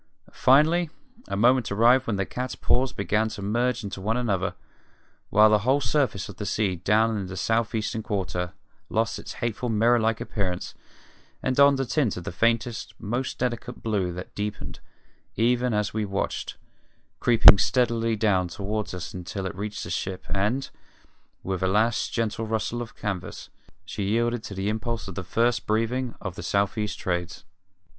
Finally a moment arrived when the cats paws began to merge one into another, while the whole surface of the sea down in the south eastern quarter lost its hateful mirror like appearance and donned a tint of faintest, most delicate blue that deepened, even as we watched, creeping steadily down toward us until it reached the ship and, with a last gentle rustle of canvas, she yielded to the impulse of the first breathing of the south east Trades.